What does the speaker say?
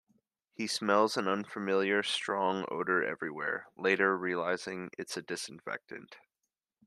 He smells an unfamiliar strong odour everywhere, later realising it is disinfectant.